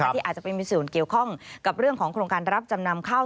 ที่อาจจะไปมีส่วนเกี่ยวข้องกับเรื่องของโครงการรับจำนำเข้า